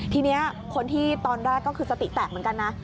ทีนี้คนที่ตอนแรกก็คือสติแตกเหมือนกันนะ